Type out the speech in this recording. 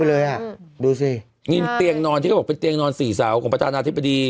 เลยอ่ะดูสินี่เตียงนอนที่เขาบอกเป็นเตียงนอนสี่เสาของประธานาธิบดี